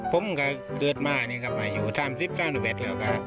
ผมก็เกิดมาเนี่ยครับอ่ะอยู่ท่ามสิบสามสิบแปดแล้วค่ะ